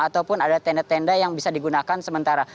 ataupun ada tenda tenda yang bisa digunakan sementara